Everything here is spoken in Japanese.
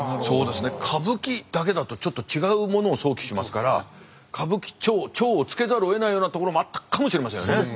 そうですね歌舞伎だけだとちょっと違うものを想起しますから歌舞伎町町を付けざるをえないようなところもあったかもしれませんよね。